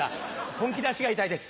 本気で脚が痛いです